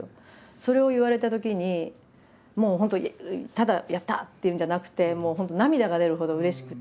それを言われたときにもう本当にただ「やった！」っていうんじゃなくて本当涙が出るほどうれしくて。